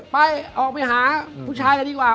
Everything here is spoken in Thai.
ไปออกไปหาผู้ชายกันดีกว่า